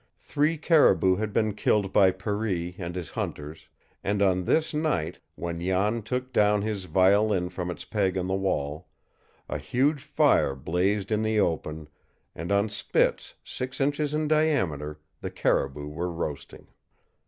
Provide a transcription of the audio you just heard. Three caribou had been killed by Per ee and his hunters; and on this night, when Jan took down his violin from its peg on the wall, a huge fire blazed in the open, and on spits six inches in diameter the caribou were roasting.